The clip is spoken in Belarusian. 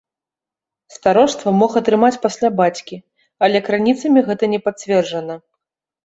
Староства мог атрымаць пасля бацькі, але крыніцамі гэта не пацверджана.